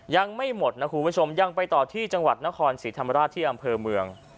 ยังไม่หมดนะคุณผู้ชมยังไปต่อที่จังหวัดนครศรีธรรมราชที่อำเภอเมือง